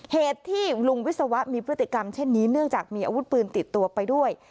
เหตุที่ลุงวิศวะมีพฤติกรรมเช่นนี้เนื่องจากมีอาวุธปืนติดตัวไปด้วย